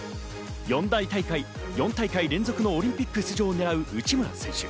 ４大会連続のオリンピック出場を狙う内村選手。